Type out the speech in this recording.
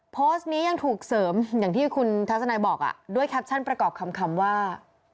โพสต์นี้ยังถูกเสริมอย่างที่คุณทัศนายบอกด้วยแคปชั่นประกอบคำว่า